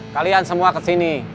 kalian semua ke sini